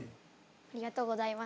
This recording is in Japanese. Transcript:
ありがとうございます。